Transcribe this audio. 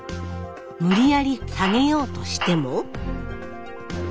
無理やり下げようとしても。